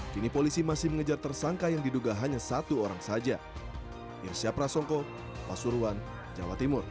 kini polisi masih mengejar tersangka yang diduga hanya satu orang saja